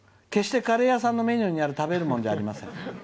決してカレー屋さんにある食べるものじゃありません。